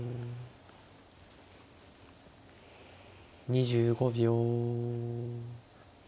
２５秒。